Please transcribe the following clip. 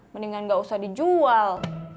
mendingan gak usah dijual